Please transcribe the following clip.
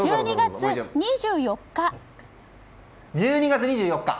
１２月２５日。